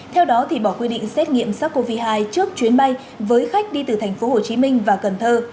theo đó thì bỏ quy định xét nghiệm sars cov hai trước chuyến bay với khách đi từ tp hcm và cần thơ